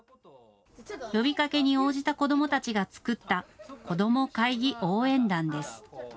呼びかけに応じた子どもたちが作った、こどもかいぎ応援団です。